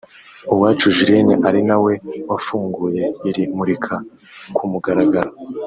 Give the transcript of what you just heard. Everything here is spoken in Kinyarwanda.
Uwacu Julienne ari na we wafunguye iri murika ku mugaragaro